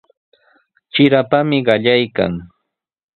Trirapami qallaykan.